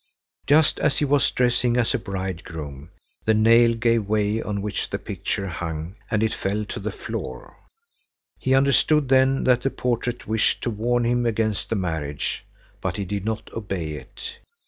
Just as he was dressing as a bridegroom, the nail gave way on which the picture hung and it fell to the floor. He understood then that the portrait wished to warn him against the marriage, but he did not obey it.